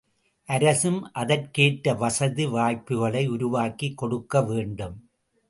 அரசும் அதற்கேற்ற வசதி வாய்ப்புகளை உருவாக்கிக் கொடுக்கவேண்டும்.